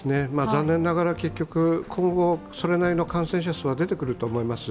残念ながら結局、今後それなりの感染者数は出てくると思います。